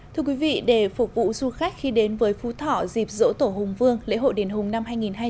thưa quý vị để phục vụ du khách khi đến với phú thọ dịp dỗ tổ hùng vương lễ hội đền hùng năm hai nghìn hai mươi bốn